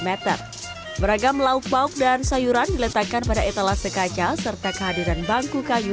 meter beragam lauk pauk dan sayuran diletakkan pada etalase kaca serta kehadiran bangku kayu